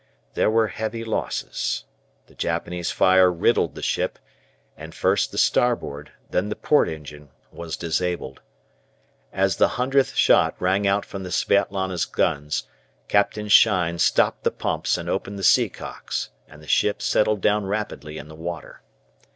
There were heavy losses. The Japanese fire riddled the ship, and first the starboard, then the port engine was disabled. As the hundredth shot rang out from the "Svietlana's" guns, Captain Schein stopped the pumps and opened the sea cocks, and the ship settled down rapidly in the water.